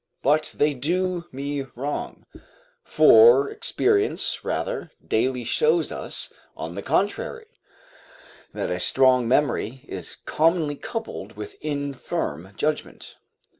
But they do me wrong; for experience, rather, daily shows us, on the contrary, that a strong memory is commonly coupled with infirm judgment.